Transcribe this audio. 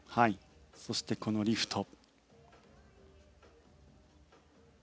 そしてこのリフト。